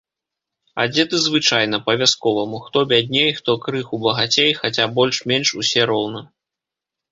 Адзеты звычайна, па-вясковаму, хто бядней, хто крыху багацей, хаця больш-менш усе роўна.